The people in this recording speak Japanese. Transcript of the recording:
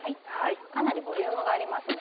かなりボリュームがありますね。